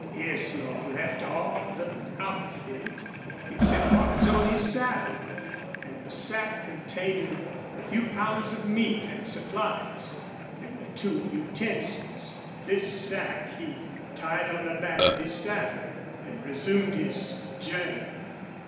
Here Slone left all the outfit except what was on his saddle, and the sack containing the few pounds of meat and supplies, and the two utensils. This sack he tied on the back of his saddle, and resumed his journey.